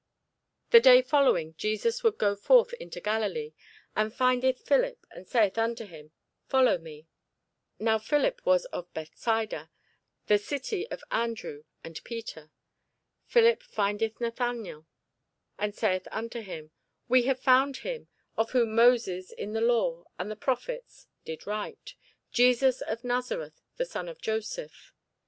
The day following Jesus would go forth into Galilee, and findeth Philip, and saith unto him, Follow me. Now Philip was of Bethsaida, the city of Andrew and Peter. Philip findeth Nathanael, and saith unto him, We have found him, of whom Moses in the law, and the prophets, did write, Jesus of Nazareth, the son of Joseph.